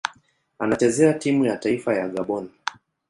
Anachezea timu ya taifa ya Gabon.